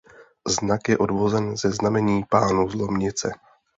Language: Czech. Znak je odvozen ze znamení pánů z Lomnice.